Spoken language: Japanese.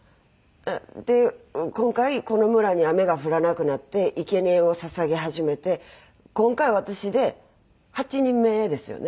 で今回この村に雨が降らなくなって生贄を捧げ始めて今回私で８人目ですよね？